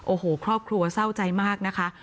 โอ้โหครอบครัวเศร้าใจมากนะคะ